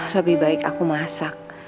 lebih baik aku masak